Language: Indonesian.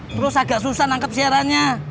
terus agak susah nangkep siarannya